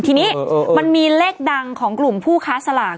ทีนี้มันมีเลขดังของกลุ่มผู้ค้าสลาก